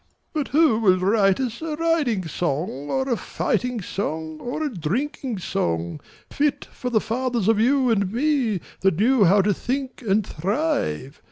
But who will write us a riding song Or a fighting song or a drinking song, Fit for the fathers of you and me, That knew how to think and thrive?